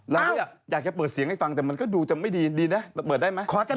เราก็อยากจะเปิดเสียงให้ฟังแต่มันก็ดูจะไม่ดีดีนะเปิดได้ไหม